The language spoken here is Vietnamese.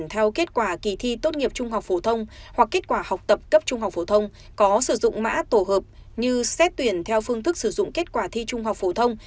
học tập cấp trung học phổ thông có sử dụng mã tổ hợp như xét tuyển theo phương thức sử dụng kết quả thi trung học phổ thông